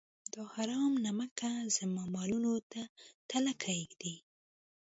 دا حرام نمکه زما مالونو ته تلکه ږدي.